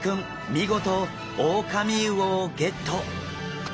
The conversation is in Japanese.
見事オオカミウオをゲット！